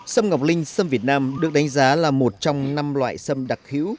sâm ngọc linh sâm việt nam được đánh giá là một trong năm loại sâm đặc hữu